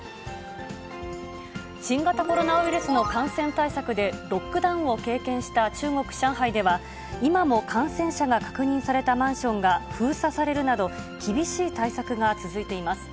新型コロナウイルスの感染対策で、ロックダウンを経験した中国・上海では、今も感染者が確認されたマンションが封鎖されるなど、厳しい対策が続いています。